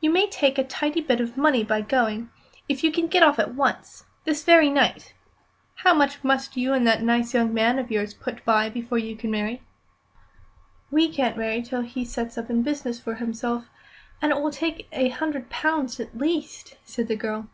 You may make a tidy bit of money by going, if you can get off at once this very night. How much must you and that nice young man of yours put by before you can marry?" "We can't marry till he sets up in business for himself, and it will take a hundred pounds at least," said the girl.